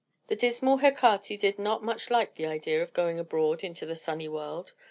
The dismal Hecate did not much like the idea of going abroad into the sunny world.